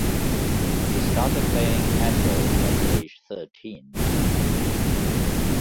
He started playing handball at age thirteen.